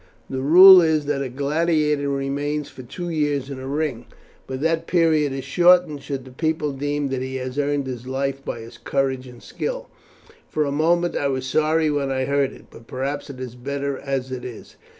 The rule is that a gladiator remains for two years in the ring, but that period is shortened should the people deem that he has earned his life by his courage and skill. For a moment I was sorry when I heard it, but perhaps it is better as it is.